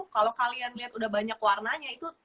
kalau kalian lihat udah banyak warnanya itu